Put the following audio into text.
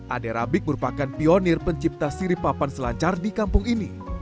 ade rabik merupakan pionir pencipta sirip papan selancar di kampung ini